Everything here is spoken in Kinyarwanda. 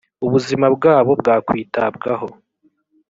ubuzima bwabo bwakwitabwaho